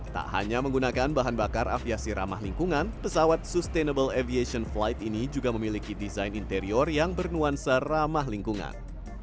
tak hanya menggunakan bahan bakar aviasi ramah lingkungan pesawat sustainable aviation flight ini juga memiliki desain interior yang bernuansa ramah lingkungan